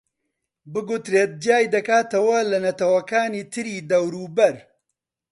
بگوترێت جیای دەکاتەوە لە نەتەوەکانی تری دەوروبەر